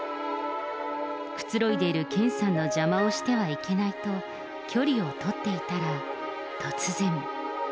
くつろいでいる健さんの邪魔をしてはいけないと、距離をとっていたら、突然。